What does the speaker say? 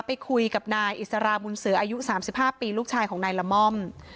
ไปคุยกับนายอิสราบุญเสืออายุ๓๕ปีลูกชายของนายละม่อม